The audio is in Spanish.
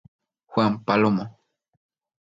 Juan Palomo.